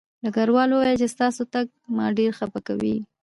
ډګروال وویل چې ستاسو تګ ما ډېر خپه کوي